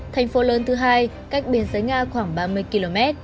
thành phố lớn thứ hai cách biên giới nga khoảng ba mươi km